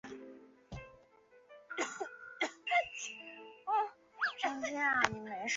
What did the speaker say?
伊德罗利纳是巴西戈亚斯州的一个市镇。